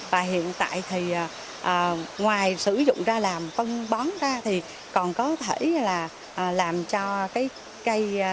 và hiện tại thì ngoài sử dụng ra làm phân bón ra thì còn có thể là làm cho cái cây